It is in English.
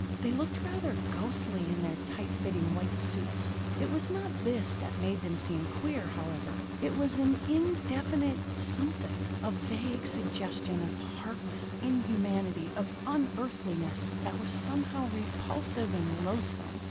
They looked rather ghostly in their tight fitting white suits. It was not this that made them seem queer, however: it was an indefinite something, a vague suggestion of heartless inhumanity, of unearthliness, that was somehow repulsive and loathsome.